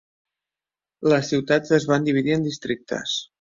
Les ciutats es van dividir en districtes.